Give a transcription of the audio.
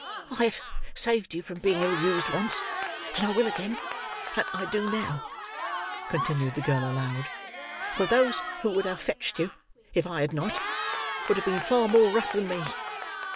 "I have saved you from being ill used once, and I will again, and I do now," continued the girl aloud; "for those who would have fetched you, if I had not, would have been far more rough than me.